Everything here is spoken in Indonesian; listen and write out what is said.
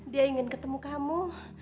dia ingin ketemu kamu